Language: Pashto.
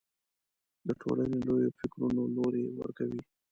د ټولنې لویو فکرونو لوری ورکوي